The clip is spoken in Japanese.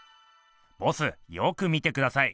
ボスよく見てください。